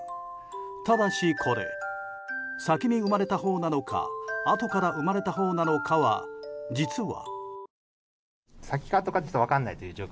ただしこれ先に生まれたほうなのかあとから生まれたほうなのかは実は。